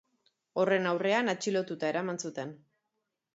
Horren aurrean, atxilotuta eraman zuten.